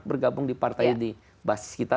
bergabung di partai di basis kita